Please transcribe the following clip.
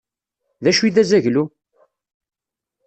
D acu i d azaglu?